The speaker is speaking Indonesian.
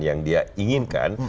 yang dia inginkan